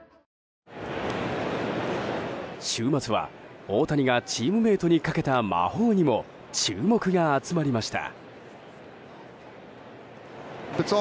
週末は、大谷がチームメートにかけた魔法にも注目が集まりました。